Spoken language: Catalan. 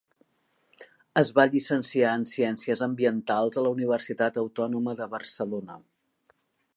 Es va llicenciar en ciències ambientals a la Universitat Autònoma de Barcelona.